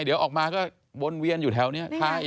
เดี๋ยวออกมาก็วนเวียนอยู่แถวนี้